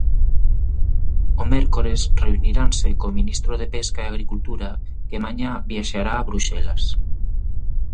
O mércores reuniranse co ministro de pesca e agricultura que mañá viaxará a Bruxelas.